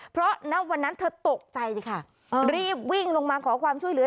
เพราะณวันนั้นเธอตกใจค่ะรีบวิ่งลงมาขอความช่วยเหลือ